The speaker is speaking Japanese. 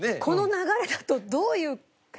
この流れだとどういう。